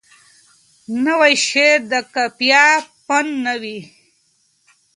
نوی شعر د قافیه پابند نه وي.